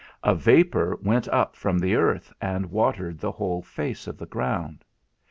_A vapour went up from the earth, and watered the whole face of the ground.